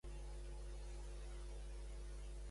Qui va fer una representació de Penthesilea i Hipòlita?